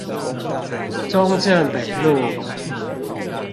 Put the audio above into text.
中正北路